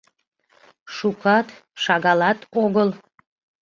Шукат, шагалат огыл.